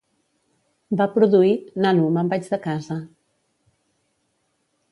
Va produir "Nano, me'n vaig de casa".